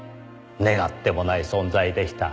願ってもない存在でした。